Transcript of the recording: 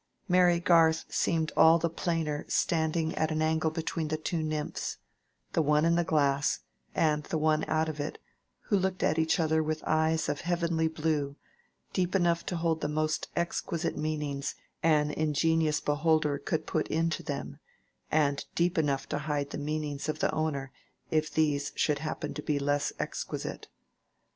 Mary Garth seemed all the plainer standing at an angle between the two nymphs—the one in the glass, and the one out of it, who looked at each other with eyes of heavenly blue, deep enough to hold the most exquisite meanings an ingenious beholder could put into them, and deep enough to hide the meanings of the owner if these should happen to be less exquisite.